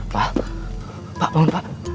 pak pak bangun pak